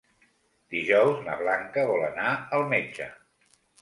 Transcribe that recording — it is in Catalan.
Dijous na Blanca vol anar al metge.